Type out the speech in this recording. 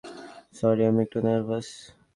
Sorry, আমি একটু nervous.